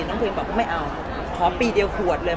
น้องเพลงบอกไม่เอาขอปีเดียวขวดเลย